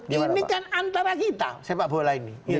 ini kan antara kita sepak bola ini